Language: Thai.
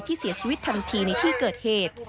เสียชีวิตทันทีในที่เกิดเหตุ